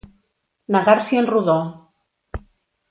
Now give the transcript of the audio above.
Negar-s'hi en rodó.